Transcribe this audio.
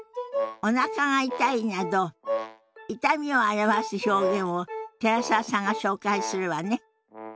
「おなかが痛い」など痛みを表す表現を寺澤さんが紹介するわね。